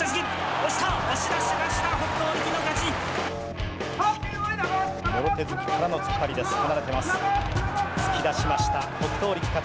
押し出しました、北勝力の勝ち。